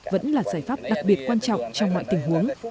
vẫn là giải pháp đặc biệt quan trọng trong mọi tình huống